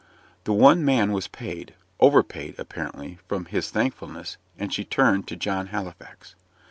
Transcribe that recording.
The one man was paid over paid, apparently, from his thankfulness and she turned to John Halifax.